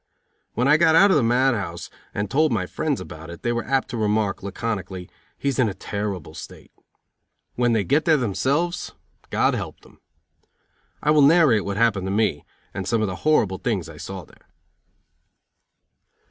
When I got out of the mad house and told my friends about it, they were apt to remark, laconically, "He's in a terrible state." When they get there themselves, God help them. I will narrate what happened to me, and some of the horrible things I saw there.